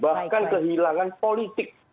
bahkan kehilangan politik